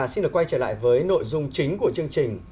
xin được quay trở lại với nội dung chính của chương trình